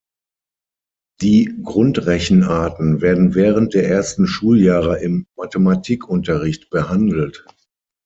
Die Grundrechenarten werden während der ersten Schuljahre im Mathematikunterricht behandelt.